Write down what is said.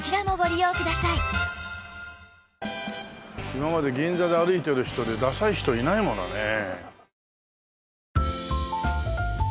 今まで銀座で歩いてる人でダサい人いないものねえ。